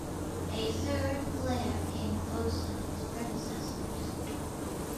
A third glare came close on its predecessors.